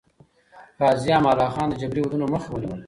غازي امان الله خان د جبري ودونو مخه ونیوله.